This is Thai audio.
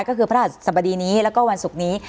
ก็คือพระราชสบดีนี้แล้วก็วันศุกร์นี้